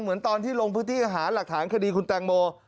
เหมือนตอนที่ลงพื้นที่หาหลักฐานคดีคุณแตงโม